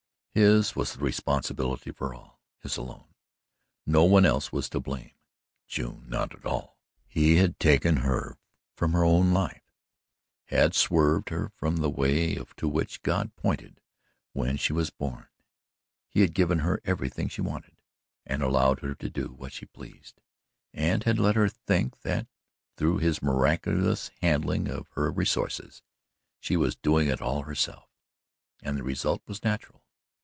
His was the responsibility for all his alone. No one else was to blame June not at all. He had taken her from her own life had swerved her from the way to which God pointed when she was born. He had given her everything she wanted, had allowed her to do what she pleased and had let her think that, through his miraculous handling of her resources, she was doing it all herself. And the result was natural.